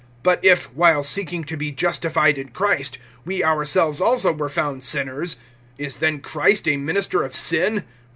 (17)But if, while seeking to be justified in Christ, we ourselves also were found sinners, is then Christ a minister of sin?